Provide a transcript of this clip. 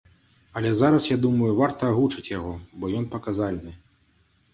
Але зараз я думаю, варта агучыць яго, бо ён паказальны.